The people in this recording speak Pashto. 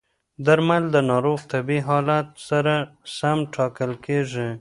درمل د ناروغ طبي حالت سره سم ټاکل کېږي.